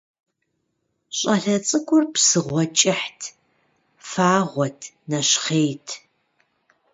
ЩӀалэ цӀыкӀур псыгъуэ кӀыхьт, фагъуэт, нэщхъейт.